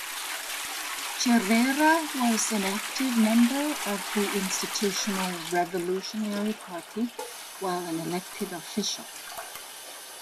Cervera was an active member of the Institutional Revolutionary Party while an elected official.